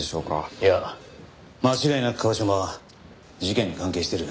いや間違いなく椛島は事件に関係している。